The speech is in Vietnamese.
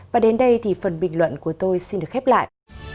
và đến đây thì phần bình luận của tôi xin được khép lại